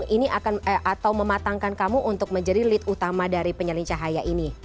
ini akan atau mematangkan kamu untuk menjadi lead utama dari penyalin cahaya ini